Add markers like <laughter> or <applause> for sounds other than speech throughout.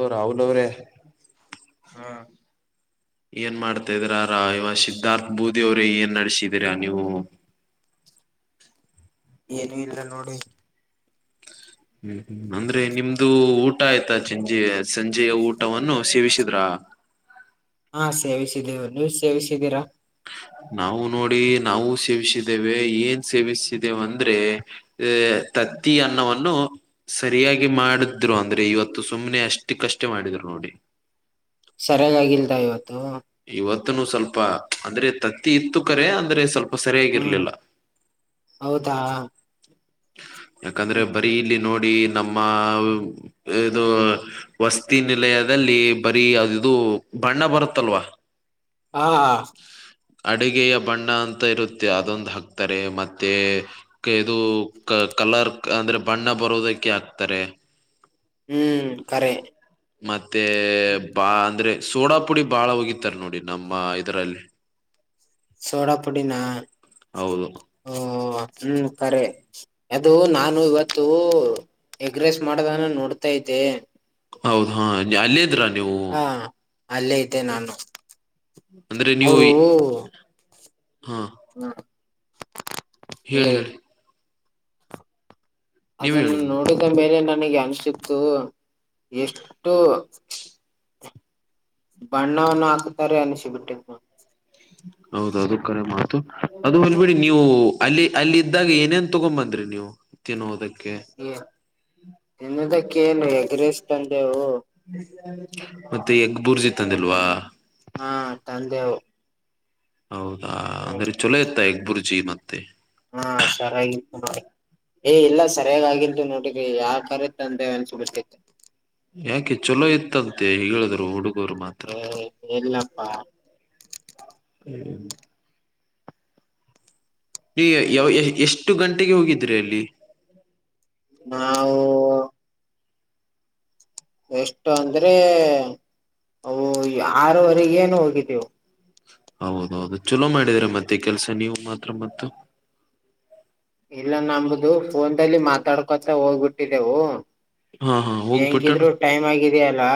ಓ ರಾಹುಲ್ ಅವ್ರೇ ಏನ್ ಮಾಡ್ತಾದೀರ ರಾ ಇವ ಸಿದ್ಧಾರ್ಥ ಬೂದಿ ಅವ್ರೇ ಏನ್ ನಡೆಸಿದೀರ ನೀವು. ಏನು ಇಲ್ಲ ನೋಡಿ. ಹ್ಮ ಅಂದ್ರೆ ನಿಮ್ದು ಊಟ ಆಯ್ತಾ ಚಿಂಜಿ ಸಂಜೆ ಊಟವನ್ನು ಸೇವಿಸಿದ್ರ. <inaudible> ಹಾ ಸೇವಿಸಿದ್ದವೇ ನೀವ್ ಸೇವಿಸಿದೀರಾ. ನಾವು ನೋಡಿ ನಾವು ಸೇವಿಸಿದ್ದೇವೆ ಏನ್ ಸೇವಿಸಿದ್ದೇವ ಅಂದ್ರೆ ಏ ತತ್ತಿ ಅನ್ನವನ್ನು ಸರಿಯಾಗಿ ಮಾಡಿದ್ರು ಅಂದ್ರೆ ಇವತ್ತು ಸುಮ್ನೆ ಅಷ್ಟ ಕಷ್ಟ ಮಾಡಿದ್ರ ನೋಡಿ. ಸರಿಯಾಗಿ ಆಗಿಲ್ದ ಇವತ್ತು ಇವತ್ತನೂ ಸ್ವಲ್ಪ ಅಂದ್ರೆ ತತ್ತಿ ಇತ್ತು ಕರೆ ಅಂದ್ರೆ ಸ್ವ ಹ್ಮ್ ಸರಿಯಾಗಿರ್ಲಿಲ್ಲ ಹೌದಾ ಯಾಕಂದ್ರೆ ಬರಿ ಇಲ್ಲಿ ದಿ ನಮ್ಮ ಇದು ವಸ್ತಿ ನಿಲಯದಲ್ಲಿ ಬರೀ ಅದ ಇದು ಬಣ್ಣ ಬರುತ್ತಲ್ವಾ. ಹಾ ಅಡುಗೆಯ ಬಣ್ಣ ಅಂತ ಇರತ್ತೆ ಅದೊಂದ ಹಾಕ್ತಾರೆ ಮತ್ತೆ ಕಿದು ಇದು ಕಲರ್ ಅಂದ್ರೆ ಬಣ್ಣ ಬರೋದಕ್ಕೆ ಹಾಕ್ತಾರೆ. ಹ್ಮ ಹ್ಮ್ ಕರೆ ಮತ್ತೆ ಬಾ ಅಂದ್ರೆ ಸೋಡಾ ಪುಡಿ ಬಾಳ ಓಗಿ ತರ ನೋಡಿ ನಮ್ಮ ಇದ್ರಲ್ಲಿ ಸೋಡಾ ಪುಡಿನಾ ಹೌದು ಹ್ಮ್ ಹ್ಮ ಕರೆ ಅದು ನಾನು ಇವತ್ತೂ ಎಗ್ರೆಸ್ ಮಾಡೋದನ್ನ ನೋಡ್ತಾ ಇದ್ದೆ. ಹೌದ ಹಾ ಅಲ್ಲೇ ಇದ್ರ ನೀವು ಹಾ ಅಲ್ಲೇ ಇದ್ದೆ ನಾನು ಅಂದ್ರೆ ನೀವೂ ಅವರು ಹಾ ಹಾ ಹೇಳಿ ಹೇಳಿ. ನೀವ್ ಅದನ್ನ ಹೇಳಿ ನೋಡಿದ ಮೇಲೆ ನನಗೆ ಅನಿಸಿತ್ತು ಎಷ್ಟು ಬಣ್ಣವನ್ನು ಹಾಕ್ತಾರೆ ಅನಿಸಿಬಿಟ್ಟಿತು. ಹೌದು ಅದು ಕರೆ ಮಾ ತು ಅದು ಅದ್ ಬೀಡಿ ನೀವು ಅಲ್ಲಿ ಅಲ್ಲಿ ಇದ್ದಾಗ ಏನೇನ್ ತುಗೊಂದ ಬಂದ್ರಿ ನೀವು ತಿನ್ನುವುದಕ್ಕೆ ಹ್ಮ ತಿನ್ನುದಕ್ಕೆ ಏನ ಎಗ್ರೆಸ್ ತಂದೆವು. ಮತ್ತೆ ಎಗ್ ಬುರ್ಜಿ ತಂದಿಲ್ವಾ. ಹಾ ತಂದೇವು. ಹೌದಾ ಅಂದ್ರೆ ಚಲೋ ಇತ್ತ ಎಗ್ಗ್ ಬೂರ್ಜಿ ಮತ್ತೆ. ಹಾ ಸರೆ ಇತ್ತು ನೋಡಿ. ಏ ಇಲ್ಲ ಸರಿಯಾಗಿತು ನೋಡಿಲ್ಲಿ ಯಾಕಾರ ತಂದೆ ಅನಿಸಿಬಿಟ್ಟಿತು. ಯಾಕೆ ಚಲೋ ಇತ್ತಂತೆ ಹೇಳಿದ್ರು ಹುಡುಗರು ಮ ಯ ಇಲ್ಲಪ್ಪಾ <inaudible> ಇ ಯ ಎಷ್ಟು ಗಂಟೆಗೆ ಹೋಗಿದ್ರಿ ಅಲ್ಲಿ. ನಾವು ಎಷ್ಟು ಅಂದ್ರೆ ಅವು ಆರುವರೆಗೇನು ಹೋಗಿದ್ದೀವಿ. ಹೌದೌದು, ಚಲೋ ಮಾಡಿದ್ರ ಮತ್ತೆ ಕೆಲ್ಸ ನೀವು ಮಾತ್ರ ಮತ್ ಇಲ್ಲ ನಂಬುದು ಫೋನಪೆನ್ಲಿ ಮಾತಾಡ್ಕೊತ ಹೋಗ್ಬಿಟ್ಟಿದ್ದೆವು. ಹಾ, ಹಾ ಹೋಗ್ಬಿಟ್ಟಣ ಟೈಮ್ ಆಗಿದೆಯಲ್ಲಾ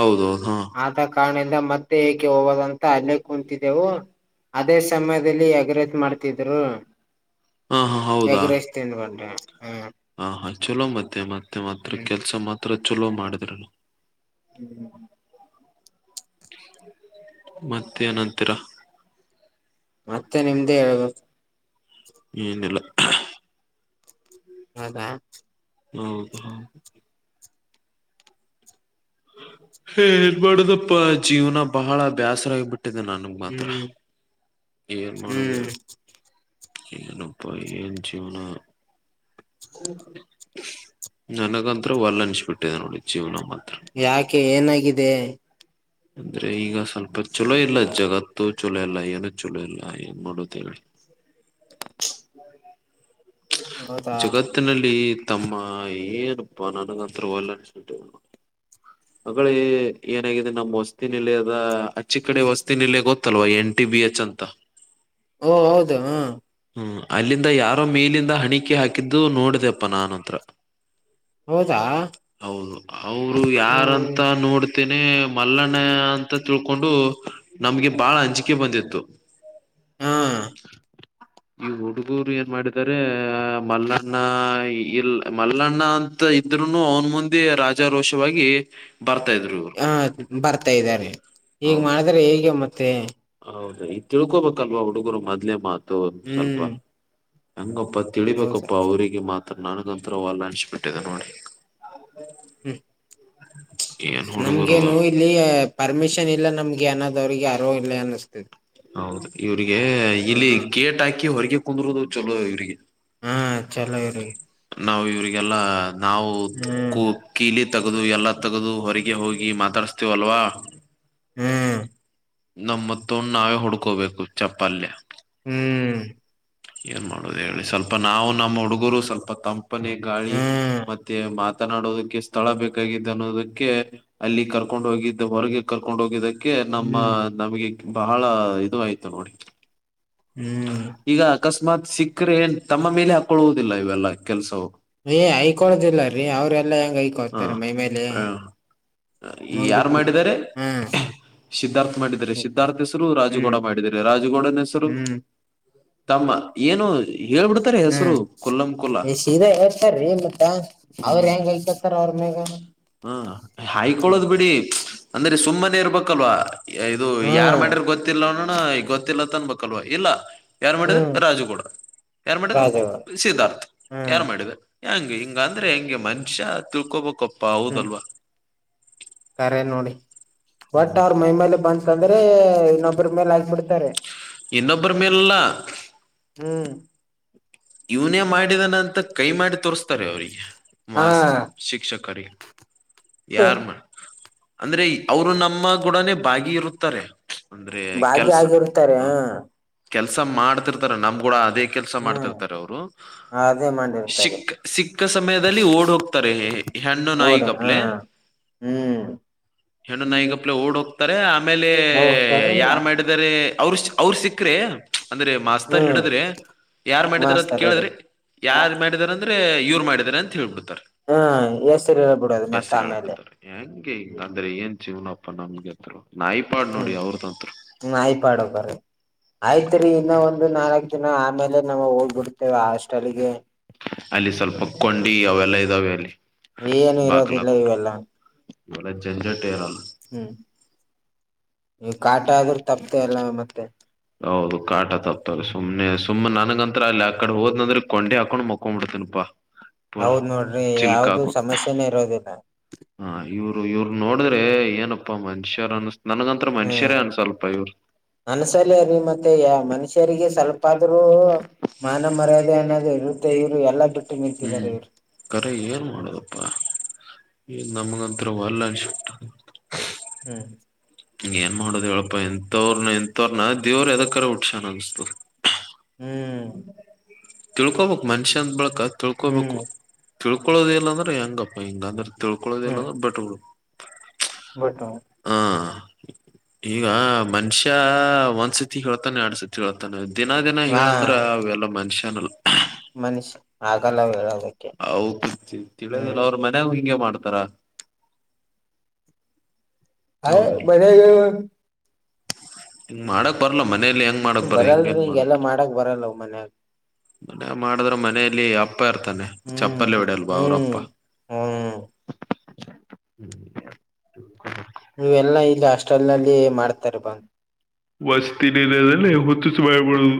ಹೌದೌದು ಹಾ ಆದ ಕಾರಣದಿಂದ ಮತ್ತೆ ಹೇಗೆ ಹವದಂತ ಅಲ್ಲೇ ಕುಂತಿದ್ದೆವು. ಅದೇ ಸಮಯದಲ್ಲಿ ಎಗರೈಸ್ ಮಾಡ್ತಿದ್ರು. ಹಾ, ಹಾ ಹೌದಾ ಬೊಂಡೆ ಹ್ಮ <inaudible> ಹ, ಹಾ ಚಲೋ ಮತ್ತೆ ಮತ್ತೆ ಮಾತ್ರ ಹ್ಮ್ ಕೆಲ್ಸ ಮಾತ್ರ ಚಲೋ ಮಾಡಿದ್ರಿ. ಹ್ಮ್್ಮ <inaudible> ಮತ್ತೆ ಏನಂತೀರಾ ಮತ್ತೆ ನಿಮ್ದೇ ಹೇಳ್ಬೇಕು. ಏನಿಲ್ಲಾ ಹೌದಾ, ಹ್ಮದು ಹ್ಮ <inaudible> ಹ ಇನ್ ಮಾಡದಪ್ಪ ಜೀವನ ಬಹಳ ಬ್ಯಾಸರಾಗಿಬಿಟ್ಟಿದೆೆ ನನ್ಗ್ ಮಾತ್ರ ಹ್ಮ್ ಏನ್ ಹ್ಮ್ ಮಾಡೋದಹೇಳ ಏನಪ್ಪಾ ಏನ್ ಜೀವನ ನನಗಂತ ಹೊಲ್ಲ ಅನ್ಸಬಿಟ್ಟಿದೆ ನೋಡಿ ಜೀವನ ಮಾತ್ರ ಯಾಕೆ ಏನಾಗಿದೆ ಅಂದ್ರೆ ಈಗ ಸ್ವಲ್ಪ ಛಲೋ ಇಲ್ಲ ಜಗತ್ತು, ಚೊಲೋ ಇಲ್ಲ ಏನು ಚಲೋ ಇಲ್ಲ ಏನ್ ಮಾಡೋದ ಹೇಳಿ. ಹೌದಾ ಜುಗತ್ <inaudible> ಒಟ್ಟಿನಲ್ಲಿ ತಮ್ಮ ಏನಪ್ಪಾ ನನಗಂತರ ಒಲ್ಲನ್ಸಬಿಟ್ಟದ. ಅಗಳೆ ಏನಾಗಿದೆ ನಮ್ಮ ವಸ್ತಿ ನಿಲಯದ ಅಚ್ಚಿ ಕಡೆ ವಸ್ತಿನಿಲಯ ಗೊತ್ತಲ್ವಾ ಎನ್ ಟಿ ಬಿ ಎಚ್ ಅಂತ ಓ ಹ ಹೌದು <inaudible> ಹ್ಮ್, ಅಲ್ಲಿಂದ ಯಾರೋ ಮೇಲಿಂದ ಹಣಿಕೆ ಹಾಕಿದ್ದು ನೋಡಿದೆಪ್ಪಾ ನಾನ ಅಂತ್ರ. ಹೌದಾ, ಹೌದು, ಅವರು ಹ್ಮ್ ಯಾರಂತ ನೋಡ್ತೇನೆ ಮಲ್ಲಣ್ಣ ಅಂತ ತಿಳ್ಕೊಂಡು ನಮ್ಗೆ ಬಾಳ ಅಂಜಿಕೆ ಬಂದಿತ್ತು. ಹಾ ಹ್ಮ್ <inaudible> ಈ ಹುಡುಗರು ಏನ್ ಮಾಡಿದಾರೆ ಮಲ್ಲಣ್ಣ ಇಲ್ ಮಲ್ಲಣ್ಣ ಅಂತ ಇದ್ರುನು ಅವನ ಮುಂದೆ ರಾಜಾರೋಷವಾಗಿ ಬರ್ತಾ ಇದ್ರು ಇವರು. ಹ ಬರ್ತಾ ಇದ್ದಾರೆ ಈಗ್ ಮಾಡಿದ್ರೆ ಹೇಗೆ ಮತ್ತೆ ಹೌದ, ಈ ತಿಳ್ಕೊಬೇಕಲ್ವಾ ಹುಡುಗರು ಮದ್ಲೆ ಮಾತು ಒ ಸ್ವಲ್ಪ ಹ್ಮ್ ಹಂಗೊಪ್ಪ. ಹೌದಾ ತಿಳಿಬೇಕಪ್ಪಾ ಅವ್ರರಿಗೆ ಮಾತ್ರ ನನಗ ಒಂತರವಲ್ಲ ವಲ್ಲನ್ಸಿಬಿಟ್ಟಿದೆ ನೋಡ್ರಿ. ಹ್ಮ್ ಏನ್ ಹುಡುಗರು ನಮ್ಗೇನು ಇಲ್ಲಿ ಪರ್ಮಿಷನ್ ಇಲ್ಲ ನಮ್ಗೆ ಅನಾದ್ ಅವ್ರಿಗೆ ಅರಿವಿಲ್ಲಾ ಅನ್ನಿಸ್ತದೆ. ಹೌದು ಇವ್ರಿಗೆ ಇಲ್ಲಿ ಹ್ಮ್ ಗೇಟ್ ಹಾಕಿ ಹೊರಗೆ ಕುಂದರೋದು ಚಲೋ ಇವ್ರಿಗೆ. ಹಾ, ಚಲೋಇವರಿಗೆ ನಾವು ಇವ್ರಿಗೆಲ್ಲಾ ನಾವು ಹ್ಮ್ ಕೂ ಕೀಲಿ ತಗದು ಎಲ್ಲಾ ತಗದು ಹೊರಗೆ ಹೋಗಿ ಮಾತಾಡಸ್ತೀವಲ್ವಾ ಹ್ಮ್ ಹ್ಮ <inaudible> ನಮ್ಮತ್ತೊಂಡ್ ನಾವೇ ಹೊಡ್ಕೋಬೇಕು ಚಪ್ಪಲ್ಲೇ. ಹ್ಮ್ <inaudible> ಏನ್ ಮಾಡುದ ಹೇಳಿ ಸ್ವಲ್ಪ ನಾವು ನಮ್ಮ ಹುಡುಗರು ಸ್ವಲ್ಪ ತಂ ಪನೆ ಗಾಳಿ ಹ್ಮ್ ಮತ್ತೆ ಮಾತನಾಡೋದಕ್ಕೆ ಸ್ಥಳ ಬೇಕಾಗಿದೆ ಅನ್ನೋದಕ್ಕೆ ಅಲ್ಲಿ ಕರ್ ಕರ್ಕೊಂಡು ಹೋಗಿದ್ದ ಹೊರಗೆ ಕರ್ಕೊಂಡ್ ಹೋಗಿದ್ದಕ್ಕೆ ನಮ್ಮ ಹ್ಮ್ ನಮಗೆ ಬಹಳ ಇದು ಆಯ್ತು ನೋಡಿ ಹ್ಮ ಹ್ಮ್ ಈಗ ಅಕಸ್ಮಾತ್ ಸಿಕ್ಕ್ರೆ ಏನ್ ತಮ್ಮ ಮೇಲೆ ಅಪ್ ಕೊಳ್ಳುವುದಿಲ್ಲ ಇವೆಲ್ಲಾ ಕೆಲ್ಸವು ಏ ಐಕೊಳದಿಲ್ಲ ರೀ ಅವ್ರೆಲ್ಲಾ ಹೆಂಗ್ <unintelligible> ಹಾ ಐಕೋತಾರೆ ಮೈ ಮೇಲೆ ಹ ಯಾರ್ ಮುಗಿತ್ತು ಮಾಡಿದಿದಾರೆ ಹ್ಮ್ ಶಿದ್ಧಾರ್ಥ ಮಾಡಿದ್ದಾರೆ ಶಿದ್ಧಾರ್ಥ ಹೆಸರು ಹ್ಮ್ ರಾಜುಗೌಡ ಮಾಡಿದ್ದಾರೆ ರಾಜಗೌಡನ ಹೆಸರು ಹ್ಮ್ <inaudible> ತಮ್ಮ ಏನು ಹೇಳ್ಬಿಡ್ತಾರೆ ಹೆಸರು ಹ್ಮ್ ಕೊಲ್ಲಂ ಕೊಲ್ಲಾ ಈ ಸೀದಾ ಹೇಳ್ತಾರೀ ಮತ್ತ <unintelligible> ಅವ್ರ ಹೆಂಗ ಐಂತಿರ್ತಾರ್ ಅವ್ರ ಮ್ಯಾಗ ಹ್ಮ ಹಾಯ್ಕೊಳದ್ ಬಿಡಿ ಅಂದ್ರೆ ಸುಮ್ಮನೆ ಇರ್ಬೇಕಲ್ವಾ ಇದು ಯಾರ್ ಹ್ಮ್ ಮಾಡ್ಯಾರ್ ಗೊತ್ತ್ ಗೊತ್ತಿಲ್ಲೋಣನಾ ಗೊತ್ತಿಲ್ಲಂತ್ತನ್ಬೇಕಲ್ವಾ ಇಲ್ಲಾ ಯಾರ್ ಮಾಡಿದ್ರ ಹ್ಮ್ ರಾಜುಗೌಡ ಯಾರ್ ಮಾಡಿದ ರಾಜಗಳು ಸಿದ್ಧಾರ್ಥ ಹ್ಮ್ ಯಾರ್ ಮಾಡಿದ ಹೆಂಗ ಹಿಂಗ ಅಂದ್ರೆ ಹೆಂಗೆ ಮನುಷ್ಯ ತಿಳ್ಕೋಬೇಕಪ್ಪ ಹ್ಮ್ ಹೌದಲ್ವಾ ಕರೆ ನೋಡಿ <unintelligible> ಒಟ್ ಅವ್ರ ಮೈಮೇಲೆ ಬಂತಂದ್ರೆ ಇನ್ನೊಬ್ರ ಮೇಲ್ ಆಗ್ಬಿಡ್ತಾರೆ. ಇನ್ನೊಬ್ರ ಮೇಲಲ್ಲಾ ಹ್ಮ್ <unintelligible> ಇವ್ನೇ ಮಾಡಿದಾನ ಅಂತ ಕೈ ಮಾಡಿ ತೋರಿಸ್ತಾರೆ ಅವ್ರಿಗೆ ಹಾ ಮಾಸ್ ಶಿಕ್ಷಕರ ಯಾರ್ ಮಾ ಅಂದ್ರೆ ಅವರು ನಮ್ಮ ಗುಡನೇ ಭಾಗಿ ಇರುತ್ತಾರೆ. ಅಂದ್ರೆ ಭಾಗ್ಯ ಕೆಲ್ಸ್ ಆಗಿರ್ತಾರೆ ಹ ಹಾ ಕೆಲ್ಸ ಮಾಡ್ತಿರ್ತಾರೆ ನಮ್ ಗೂಡ ಅದೇ ಕೆಲ್ಸ ಮಾಡ್ತಿರ್ತಾರೆ ಅವ್ರು ಹ ಅದೇ ಮಾಡಿರ್ತಾರೀ ಸಿಕ್ಕ ಸಮಯದಲ್ಲಿ ಓಡ್ ಹೋಗ್ತಾರೆ ಹೆಣ್ಣು ನಾಯಿ ಕಪ್ಲೆ ಹ್ಮೂ. ಹೆಣ್ಣು ನಾಯಿ ಗಪ್ಲೆ ಓಡ್ ಹೋಗ್ತಾರೆ ಆಮೇಲೆ ಹೋಗ್ತಾರ ಯಾರು ಮಾಡಿದಿದ್ದಾರೆ ಅವ್ರಷ್ಟ ಅವ್ರ ಸಿಕ್ಕ್ರೆ ಅಂದ್ರೆ ಮಾಸ್ತರ್ ಹ್ಮ್ ಹಿಡದ್ರೆ ಯಾರ್ ಮಾಡಿದಾರ ಅಂತ ಮಾಸ್ತರ್ ಕೇಳಿದ್ರೆ ಹಾ ಯಾರ್ ಮಾಡಿದಾರೆ ಅಂದ್ರೆ ಇವ್ರು ಮಾಡಿದಿದ್ದಾರೆ ಅಂತ ಹೇಳೇಳ್ಬಿಡ್ತಾರೆ. ಹ್ಮ ಎಸ್ರ ಹೇಳಿ ಬಿಡೋದು ಮತ್ತ್ ಆಮೇಲೆ ಹೇಳ್ಬಿಡ್ತಾರೆ ಹೆಂಗೆ ಹಿಂಗ್ ಹ್ಮ್ ಅಂದ್ರೆ ಏನ್ ಜೀವ್ನಪ್ಪಾ ನಮ್ಗೆ ನಾಯಿಪಾಡ್ ನೋಡಿ ಹ್ಮ್ ಅವ್ರದಂತ್ರು, ನಾಯಿ ಪಾಡ್ ಆಯ್ತ್ ರೀ ಇನ್ನು ಒಂದು ನಾಲ್ಕ್ ದಿನ ಆಮೇಲೆ ನಾವ ಹೋಗ್ಬಿಡ್ತೇವೆ ಹಾಸ್ಟೆಲ್ಗೆ ಅಲ್ಲಿ ಸ್ವಲ್ಪ ಕ್ಕೊಂಡಿ ಅವೆಲ್ಲಾ ಇದಾವೆ ಅಲ್ಲಿ ಏನು <inaudible> ಇರೋದಿಲ್ಲ ಬಾಕ್ಲಾಹಾಕೊ ಇವೆಲ್ಲ ಇವಲ್ಲಾ ಜೆಂಜಟ್ಟಾ ಇರಲ್ಲಾ <inaudible> ಈವ್ರ ಕಾಟಾ ಆದ್ರೂ ತಪ್ಪತ ಎಲ್ಲ ಮತ್ತೆ ಹೌದು ಕಾಟ ತಪ್ಪತ ಸುಮ್ನೆ ಸುಮ್ಮ್ ನನಗಂತ್ರ ಅಲ್ಲಿ ಆ ಕಡೆ ಹೋದ್ನಂದ್ರೆ ಕೊಂಡಿ ಹಾಕೊಂಡ್ ಮಕೊಂಡ್ಬಿಡ್ತನಪಾ. ಪುರಾ ಹೌದ್ ನೋಡ್ರಿ ಚಿಲ್ಕಾ ಯಾವ್ದು ಹಾಕು ಸಮಸ್ಯೆನೇ ಇರೋದಿಲ್ಲ <inaudible> ಹಾ ಇವ್ರು ಇವ್ರ್ನ ನೋಡಿದ್ರೆ ಏನಪ್ಪಾ ಮನುಷ್ಯಾರ ಅನ್ಸತ್ ನನ್ಗಂತ ಮನುಷ್ಯರೇ ಅನ್ಸಲ್ವ್ಸ್ವಲ್ಪ್ ಇವರು <unintelligible> ಷ್ಯಾರೀ ಮತ್ತೆ ಯಾ ಮನುಷ್ಯರಿಗೆ ಸ್ವಲ್ಪ ಆದ್ರೂ ಮಾನ ಮರ್ಯಾದೆ ಅನ್ನೋದು ಇರುತ್ತೆ ಇವರು ಎಲ್ಲಾ ಬಿಟ್ಟ್ ನಿಂತಿದಾರೆ ಇವ್ರು. ಕರೆ ಏನ್ ಮಾಡೂದಪ್ಪಾ ಈ ನಮಗಂತ್ರೂ ವಲ್ಲೆ ಅನ್ಸಿಬ್ಟದ <inaudible> ಹ್ಮ. ಏನ್ ಮಾಡುದು ಹೇಳಪ್ಪಾ ಇಂತವ್ರನ ಇಂತವ್ರನ. ದೇವ್ರ ಯದಕರ ಹುಟ್ಸ್ಯಾನ ಅನಸ್ತದ ಹ್. ಹ್ಮ್ ತಿಳ್ಕೋಬೇಕ ಮನ್ಷ್ಯಂದ ಬಳಿಕ ಹ್ಮ್ ತಿಳ್ಕೋಬೇಕು. ತಿಳ್ಕೊಳದ ಇಲ್ಲ ಅಂದ್ರೆ ಹೆಂಗಪ್ಪಾ ಹಿಂಗ್ ಅಂದ್ರ. ಹ್ಮ್ ತಿಳ್ಕೊಳದಿಲ್ಲಂದ್ರ ಬಟ್ಬಿಡು ಬಟ್ ಹ. ಈಗ ಮನಷ್ಯ ಒಂದ್ಸತಿ ಹೇಳ್ತಾನೆ ಆ್ಯಡ್ಸತಿ ತಿಳ್ತಾನ ದಿನ ದಿನ ಹಾ ಹೇಳಂದ್ರ ಅವೆಲ್ಲ ಮನಷ್ಯನಲ್ಲ. ಮನುಷ್ಯ ಆಗಲ್ಲ ಹೇಳೋದಕ್ಕೆ ಹೌದ್ ತಿಳಿಯದಿಲ್ಲ ಹ್ಮ್ ಅವ್ರ ಮನ್ಯಾಗು ಹಿಂಗೆ ಮಾಡ್ತಾರ. ಹಯ್ ಮನ್ಯಾಗ ಹೇಳ್ಬೇಕ್. ಹಿಂಗ ಮಾಡಕ್ ಬರ್ಲ ಮನೆಲಿ ಎನ್ ಹ ಬರಲ್ರಿ ಈಗೆಲ್ಲ ಮಾಡಕ್ ಬರಲ್ಲವು ಮನ್ಯಾಗ. ಮ ಮಾಡಿದ್ರ ಮನ ಮನೆಯಲ್ಲಿ ಅಪ್ಪ ಇರ್ತಾನೆ ಹ್ಮ್ ಚಪ್ಪಲ್ಲೆ ಹೊಡೆಯಲ್ವಾ ಹ್ಮ್ ಅವ್ರಪ್ಪ. ಹ್ಮ್ ಹ್ಮ್ ನೀವೆಲ್ಲಾ ಇಲ್ಲಿ ಹಾಸ್ಟೆಲ್ ನಲ್ಲಿ ಮಾಡ್ತಿರೆ ಬಂದ್. ವಸ್ತಿ ನಿಯದಲ್ಲಿ ಹುಚ್ಚುಚ್ ಬಾಯಿಬಿಡದು.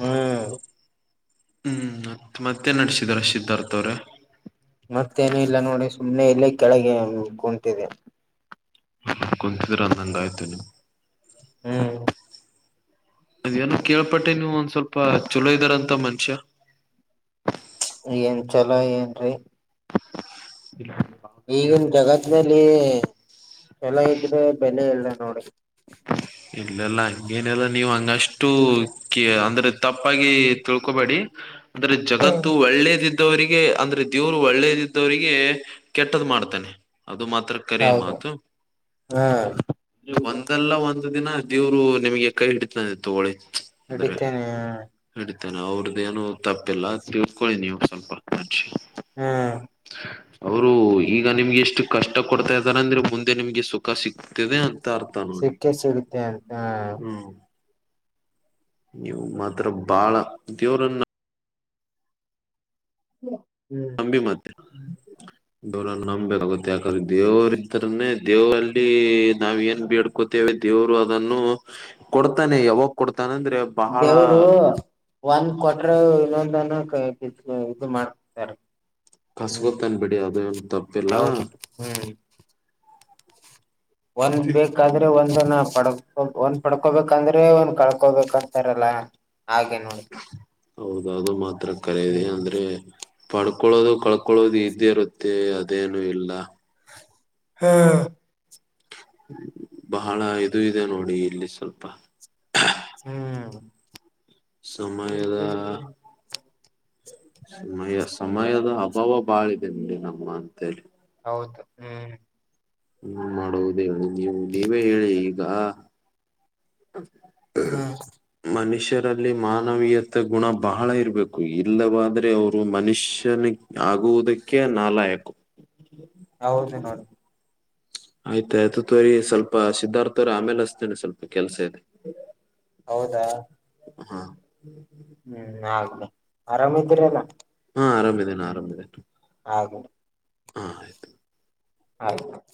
ಹ್ಮ್ ಹ್ಮ್ ಹ್ಮ್ ಮತ್ತೇನ್ ನಡ್ಸಿದಾರ ಸಿದ್ಧಾರ್ಥ ಅವ್ರ. ಮತ್ತೇನು ಇಲ್ಲ ನೋಡಿ ಸುಮ್ನೆ ಇಲ್ಲೇ ಕೆಳಗೆ ಕುಂತಿದಿವ್. ಕುಂತಿದ್ರಂದಂಗಾಯ್ತು ನೀವು. ಹ್ಮ್ ಅದೇನ ಕೇಳ್ಪಟ್ಟೆ ನೀವು ಒಂದ್ ಸ್ವಲ್ಪ ಚೊಲೋ ಇದಾರಂತ ಮನುಷ್ಯ. ಏನ್ ಚೊಲೋ ಏನ್ರಿ. ಇಲ್ಲ ಈಗಿನ ಜಗತ್ನಲ್ಲಿ <unintelligible> ಚಲೋ ಇದ್ರೆ ಬೆಲೆ ಇಲ್ಲ ನೋಡಿ. ಇಲ್ಲಲ್ಲ ಹಂಗೇನಿಲ್ಲ ನೀವ್ ಹಂಗಷ್ಟು. ಕೆ ಅಂದ್ರೆ ತಪ್ಪಾಗಿ ತಿಳ್ಕೋಬೇಡಿ ಅಂದ್ರೆ ಜಗತ್ತು ಒಳ್ಳೇದಿ ದ್ದವರಿಗೆ ಅಂದ್ರೆ ದೇವ್ರು ಒಳ್ಳೇದಿದ್ದವರಿಗೆ ಕೆಟ್ಟದ ಮಾಡ್ತಾನೆ ಅದು ಮಾತ್ರ. ಕರೆ ಹೌದು ಮಾತು. ಹಾ ಒಂದಲ್ಲ ಒಂದು ದಿನ ದೇವ್ರು ನಿಮ್ಗೆ ಕೈ ಹಿಡಿತಾನೆ ತೊಗೊಳಿ. ಹಿಡಿತೇನೆ. ಹಿಡಿತೇನ ಅವ್ರದೇನು ತಪ್ಪಿಲ್ಲ ತಿಳ್ಕೊಳ್ಳಿ ನೀವು ಸ್ವಲ್ಪ ಹಕ್ಷಿ. ಹಾ ಅವರು ಈಗ ನಿಮ್ಗೆ ಎಷ್ಟು ಕಷ್ಟ ಕೊಡ್ತಾ ಇದ್ದಾರಂದ್ರೆ ಮುಂದೆ ನಿಮ್ಗೆ ಸುಕ್ ಖ ಸಿಗ್ತದೆ ಅಂತ ಅರ್ಥ ನೋಡಿ. ಸಿಕ್ಕೆ ಸಿಗುತ್ತೆ ಅಂತ ಹ್ಮ ನೀವು ಮಾತ್ರ ಬಾಳ ದೇವರನ್ನ. ಹ ಹ್ಮ್ ಬಿ ಮತ್ತೆ. ದೇವ್ರನ್ ನಂಬಬೇಕಾಗುತ್ತೆ ಯಾಕಂದ್ರೆ ದೇವ್ರು ಇದ್ದ್ರನೆೇ ದೇವರಲ್ಲಿ ನಾವ್ ಏನ್ ಬೇಡ್ ಗೊತ್ತೇವೆ ದೇವ್ರು ಅದನ್ನು ಕೊಡ್ತಾನೆ ಯಾವಾಗ ಕೊಡ್ತಾನ ಅಂದ್ರೆ ಬಹಳ. ದೇವರು ಒಂದ್ ಕೊಟ್ರ ಇನ್ನೊಂದನ್ನು ಕ ಇ ಇದು ಮಾಡ್ತಾರೆ. ಕಸ್ಗೊತಾನ್ ಬಿಡಿ ಅದು ಎನ್ ತಪ್ಪಿಲ್ಲ. ಹೌದು ಹ್ಮ್ ಒಂದ್ ಬೇಕಾದ್ರೆ ಒಂದನ್ನ ಪಡ್ಕೊ ಒಂದ್ ಪಡ್ಕೋಬೇಕಂದ್ರೆ ಒಂದ್ ಕಳ್ಕೋಬೇಕಂತಾರಲ್ಲ. ಹಾಗೆ ನೋಡಿ. ಹೌದ ಅದು ಮಾತ್ರ ಕರೆದೆ ಹ್ಮ್ ಅಂದ್ರೆ. ಪಡ್ಕೊಳ್ಳೋದು ಕಳ್ಕೊಳ್ಳೋದು ಇದೇ ಇರುತ್ತೆ ಅದೇನು ಇಲ್ಲ. ಹ್ಮ್, ಬಹಳ ಇದು ಇದೆ ನೋಡಿ ಇಲ್ಲಿ ಸ್ವಲ್ಪ ಹ್ಮ್, ಸಮಯ <unintelligible> ಸಮಯ, ಸಮಯದ ಅಭಾವ ಬಾಳ ಇದೆ ನಡಿ ನಮ್ಮ ಅಂತೇಳಿ- ಹೌದು, ಹ್ಮ್ ಹ್ಮ್, ಮಾಡೋದೇ ಹೇಳಿ ನೀವು ನೀವೇ ಹೇಳಿ ಈಗ- ಹ್ಮ್ <inaudible> ಮನುಷ್ಯರಲ್ಲಿ ಮಾನವೀಯತೆ ಗುಣ ಬಹಳ ಇರ್ಬೇಕು. ಇಲ್ಲವಾದ್ರೆ ಅವರು ಮನುಷ್ಯನ ಆಗುವುದಕ್ಕೆ ನಾಲಾಯಕ್ಕು. ಹೌದು, ನೋಡಿ ಆಯ್ತ ಆಯ್ತು ತೋರಿ ಸ್ವಲ್ಪ ಸಿದ್ಧಾರ್ಥ್ರ ಆಮೇಲೆ ಹಚ್ತೇನೆ ಸ್ವಲ್ಪ ಕೆಲ್ಸ ಇದೆ. ಹೌದಾ ಹಾ <inaudible> ಹ್ಮ್ ಹಾ, ಆಗ್ಲಿ ಆರಾಮಿದ್ದೀರಲ್ಲ ಆರಾಮಿದೆೇನೆ -ಆರಾಮಿದೆೇನೆ. - ಹಾಗ <unintelligible> ಹಾ, ಆಯಿತು ಆಯ್ತು <unintelligible>